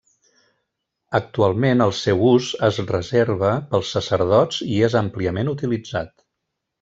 Actualment el seu ús es reserva pels sacerdots i és àmpliament utilitzat.